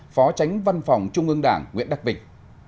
phó tránh văn phòng trung ương đảng nguyễn đặc bình